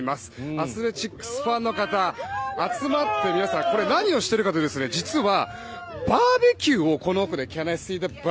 アスレチックスファンの方集まって皆さん、これは何をしているかというと実は、バーベキューをこの奥で。